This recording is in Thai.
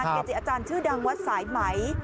เกจิอาจารย์ชื่อดังวัดสายไหม